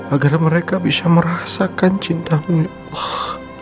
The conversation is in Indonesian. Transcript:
agar mereka bisa merasakan cintamu ya allah